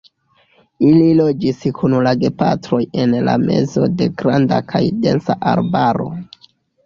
Ili loĝis kun la gepatroj en la mezo de granda kaj densa arbaro.